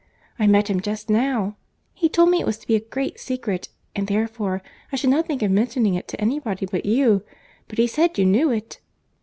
I met him just now. He told me it was to be a great secret; and, therefore, I should not think of mentioning it to any body but you, but he said you knew it."